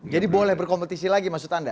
jadi boleh berkompetisi lagi maksud anda